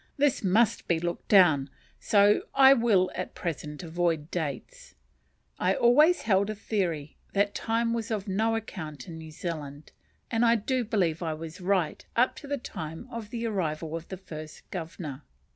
This must be looked down, so I will at present avoid dates. I always held a theory that time was of no account in New Zealand, and I do believe I was right up to the time of the arrival of the first Governor.